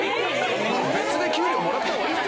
別で給料もらった方がいい。